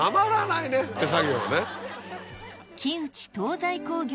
手作業はね。